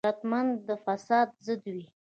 غیرتمند د فساد ضد وي